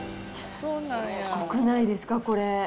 すごくないですか、これ。